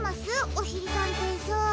おしりたんていさん。